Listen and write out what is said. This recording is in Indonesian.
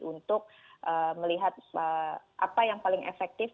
untuk melihat apa yang paling efektif